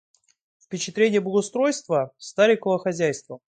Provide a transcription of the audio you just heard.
Впечатление благоустройства старикова хозяйства.